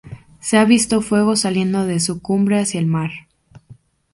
Se ha visto fuego saliendo de su cumbre hacia el mar.